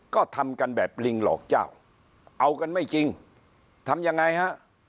ก็ทำกันแบบลิงหลอกเจ้าเอากันไม่จริงทำยังไงฮะ